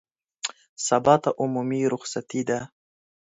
سبا ته عمومي رخصتي ده